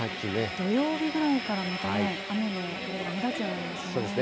土曜日ぐらいから、またね、雨の所が目立つようになりますね。